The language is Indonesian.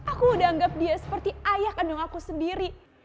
aku udah anggap dia seperti ayah kandung aku sendiri